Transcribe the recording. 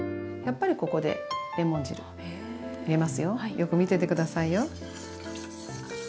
よく見てて下さいよ。